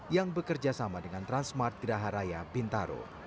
yang bekerjasama dengan transmart gerah raya bintaro